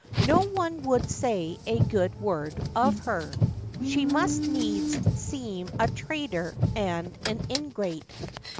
No one would say a good word of her. She must needs seem a traitor and an ingrate.